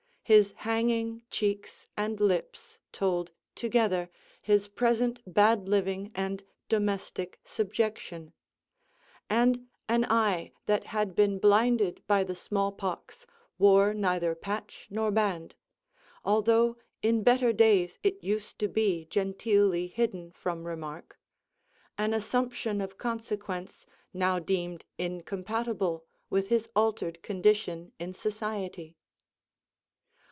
His hanging cheeks and lips told, together, his present bad living and domestic subjection; and an eye that had been blinded by the smallpox wore neither patch nor band, although in better days it used to be genteelly hidden from remark, an assumption of consequence now deemed incompatible with his altered condition in society.